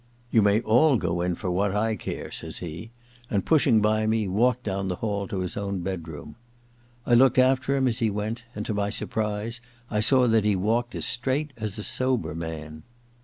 * You may all go in, for what I care,' says he, and, pushing by me, walked down the hall to his own bedroom. I looked after him as he went, and to my surprise I saw that he walked as straight as a sober man.